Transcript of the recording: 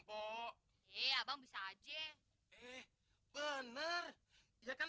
kok iya bang bisa aja eh bener iya kan